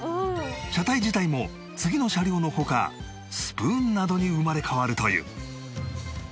車体自体も次の車両の他スプーンなどに生まれ変わるという